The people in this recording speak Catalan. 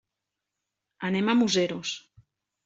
Anem a Museros.